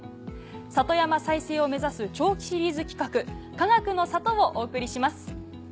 里山再生を目指す長期シリーズ企画「かがくの里」をお送りします。